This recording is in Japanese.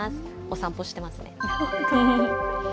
お散歩してますね。